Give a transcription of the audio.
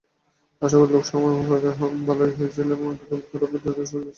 আশা করি, লোকসমাগম ভালই হইয়াছিল এবং আধ্যাত্মিক খোরাকেরও যথেষ্ট ব্যবস্থা ছিল।